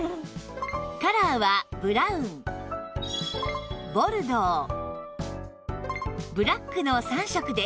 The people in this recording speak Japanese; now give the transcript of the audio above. カラーはブラウンボルドーブラックの３色です